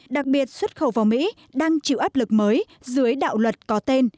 đặc biệt xuất khẩu vào mỹ đang chịu áp lực mới dưới đạo luật có tên